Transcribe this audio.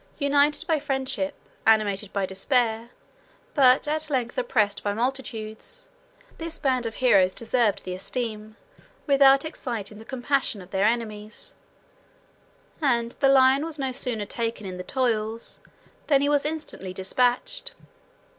United by friendship, animated by despair, but at length oppressed by multitudes, this band of heroes deserved the esteem, without exciting the compassion, of their enemies; and the lion was no sooner taken in the toils, 154 than he was instantly despatched.